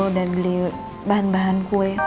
dan beli bahan bahan kue